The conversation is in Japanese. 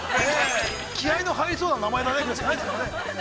気合いの入りそうな名前だねぐらいしかないですからね。